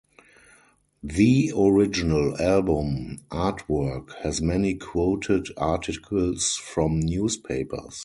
The original album artwork has many quoted articles from newspapers.